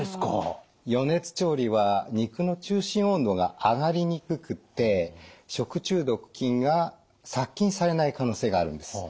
余熱調理は肉の中心温度が上がりにくくて食中毒菌が殺菌されない可能性があるんです。